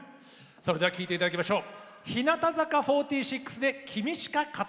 それでは聴いていただきましょう。